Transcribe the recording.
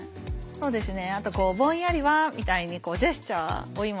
そうですね。